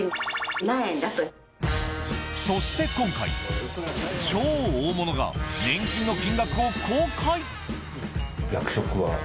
そして今回、超大物が年金の金額を公開。